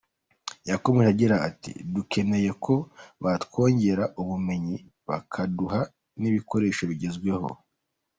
Yakomeje agira ati “Dukeneye ko batwongerera ubumenyi bakaduha n’ibikoresho bigezweho.